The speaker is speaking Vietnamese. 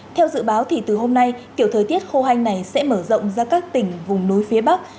theo dự báo thì từ hôm nay kiểu thời tiết khô hanh này sẽ mở rộng ra các tỉnh vùng núi phía bắc